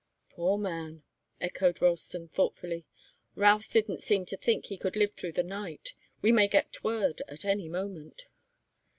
"Poor man!" echoed Ralston, thoughtfully. "Routh didn't seem to think he could live through the night. We may get word at any moment."